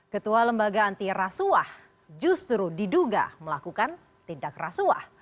ketua lembaga anti rasuah justru diduga melakukan tindak rasuah